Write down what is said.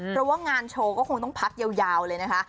บริเวณงานโชว์ก็คงต้องพักเยาเลยนะคะ